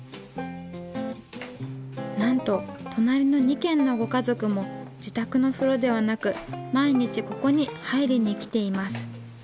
なんと隣の２軒のご家族も自宅の風呂ではなく毎日ここに入りに来ています。